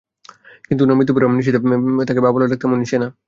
কিন্তু উনার মৃত্যুর পর, আমি নিশ্চিত যাকে বাবা বলে ডাকতাম উনি সে না।